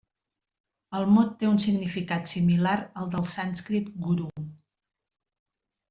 El mot té un significat similar al del sànscrit 'guru'.